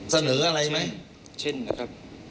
เสนออะไรไหมเช่นนะครับ